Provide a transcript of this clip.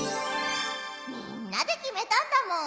みんなできめたんだもん。